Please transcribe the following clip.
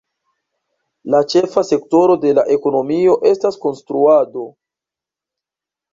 La ĉefa sektoro de la ekonomio estas konstruado.